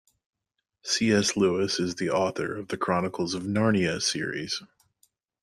C.S. Lewis is the author of The Chronicles of Narnia series.